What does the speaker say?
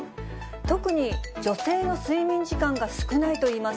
特に女性の睡眠時間が少ないといいます。